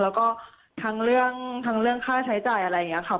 แล้วก็ทั้งเรื่องทั้งเรื่องค่าใช้จ่ายอะไรอย่างนี้ค่ะ